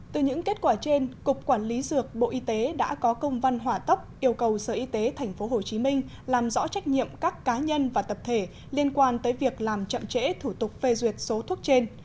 từ những kết quả trên cục quản lý dược bộ y tế đã có công văn hỏa tốc yêu cầu sở y tế tp hcm làm rõ trách nhiệm các cá nhân và tập thể liên quan tới việc làm chậm chẽ thủ tục phê duyệt số thuốc trên